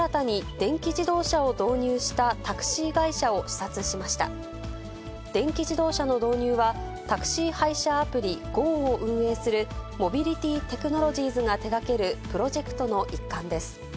電気自動車の導入は、タクシー配車アプリ、ＧＯを運営するモビリティーテクノロジーズが手がけるプロジェクトの一環です。